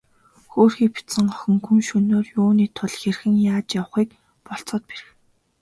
Хөөрхий бяцхан охин гүн шөнөөр юуны тул хэрхэн яаж явахыг болзоход бэрх.